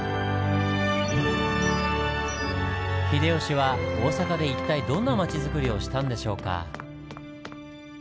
秀吉は大阪で一体どんな町づくりをしたんでしょうか。